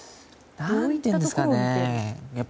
何て言うんですかね。